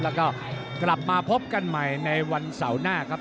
แล้วก็กลับมาพบกันใหม่ในวันเสาร์หน้าครับ